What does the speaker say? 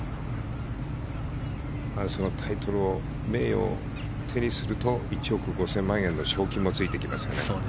そのタイトルを名誉を手にすると１億５０００万円の賞金もついてきます。